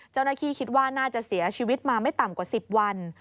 เจ้าหน้าที่คิดว่าน่าจะเสียชีวิตมาไม่ต่ำกว่า๑๐วัน